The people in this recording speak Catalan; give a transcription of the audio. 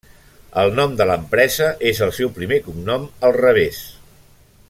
El nom de l'empresa és el seu primer cognom al revés.